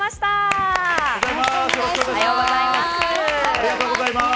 おはようございます。